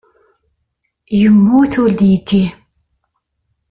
Yemmut ur d-yeǧǧi.